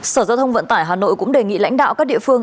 sở giao thông vận tải hà nội cũng đề nghị lãnh đạo các địa phương